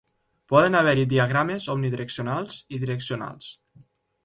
Poden haver-hi diagrames omnidireccionals i direccionals.